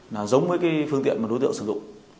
là giống với cái phương tiện mà đối tượng sử dụng